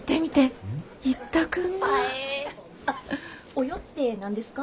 「およ」って何ですか？